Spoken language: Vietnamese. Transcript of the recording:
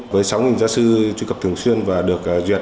với sáu giáo sư truy cập thường xuyên và được duyệt